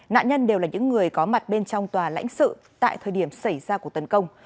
nạn nhân đều là những người có mặt bên trong tòa lãnh sự tại thời điểm xảy ra cuộc tấn công